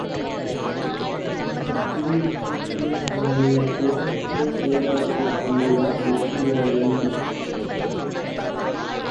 இந்தப் புதிய சூழ்ச்சியும் உன்னுடைய திறன்மிக்க செயலாற்றலைக் கொண்டுதான் வெற்றிபெற வேண்டும்.